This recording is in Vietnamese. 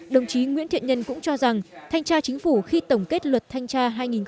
đồng chí nguyễn thiện nhân cũng cho rằng thanh tra chính phủ khi tổng kết luật thanh tra hai nghìn một mươi